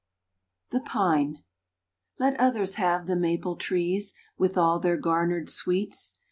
THE PINE LET others have the maple trees With all their garnered sweets.